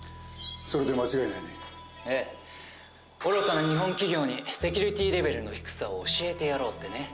愚かな日本企業にセキュリティーレベルの低さを教えてやろうってね。